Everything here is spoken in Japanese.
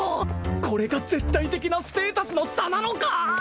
これが絶対的なステータスの差なのか！？